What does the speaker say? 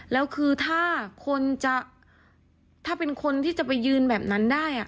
แล้วคือถ้าคนจะถ้าเป็นคนที่จะไปยืนแบบนั้นได้